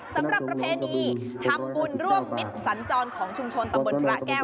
สำหรับประเภทนี้ทัพบุญร่วมมิตรสัญจรของชุมชนตำบลพระแก้ว